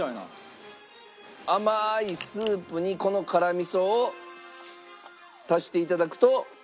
甘いスープにこの辛味噌を足して頂くと。